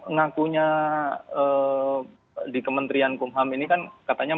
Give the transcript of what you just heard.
ngakunya di kementerian kumham ini kan katanya empat belas